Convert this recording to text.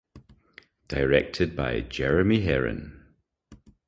Directed by Jeremy Herrin.